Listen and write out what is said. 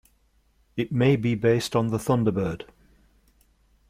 It may be based on the thunderbird.